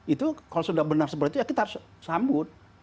itu kalau sudah benar seperti itu ya kita harus sambut